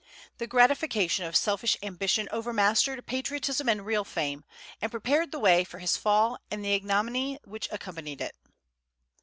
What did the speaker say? The gratification of his selfish ambition overmastered patriotism and real fame, and prepared the way for his fall and the ignominy which accompanied it.